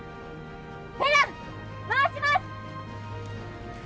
ペラ回します！